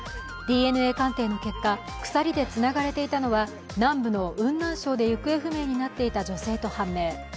ＤＮＡ鑑定の結果、鎖でつながれていたのは南部の雲南省で行方不明になっていた女性と判明。